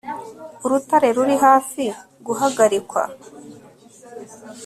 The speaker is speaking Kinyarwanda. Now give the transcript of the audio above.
Urutare ruri hafi guhagarikwa